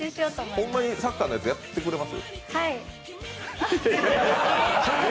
ホンマにサッカーのやつやってくれます？